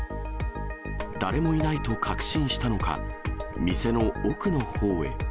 誰もいないと確信したのか、店の奥のほうへ。